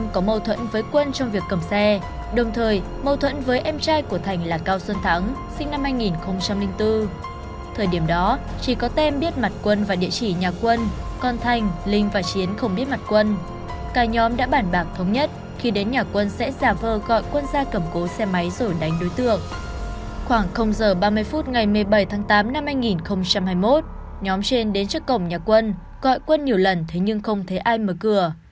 khoảng h ba mươi phút ngày một mươi bảy tháng tám năm hai nghìn hai mươi một nhóm trên đến trước cổng nhà quân gọi quân nhiều lần thế nhưng không thấy ai mở cửa